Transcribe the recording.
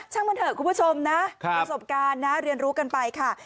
บันเถอะคุณผู้ชมนะประสบการณ์นะเรียนรู้กันไปค่ะ